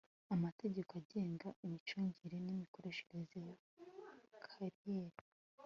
amategeko agenga imicungire n imikoreshereze ya kariyeri